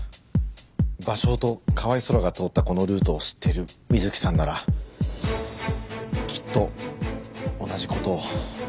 芭蕉と河合曾良が通ったこのルートを知っている美月さんならきっと同じ事を。